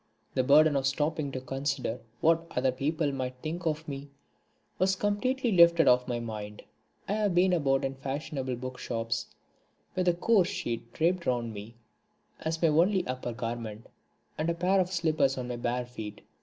The burden of stopping to consider what other people might think of me was completely lifted off my mind. I have been about in fashionable book shops with a coarse sheet draped round me as my only upper garment, and a pair of slippers on my bare feet.